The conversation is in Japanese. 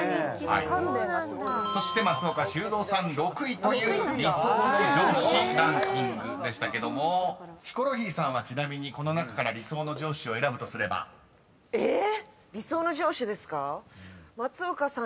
［松岡修造さん６位という理想の上司ランキングでしたけどもヒコロヒーさんはちなみにこの中から理想の上司を選ぶとすれば？］え⁉理想の上司ですか？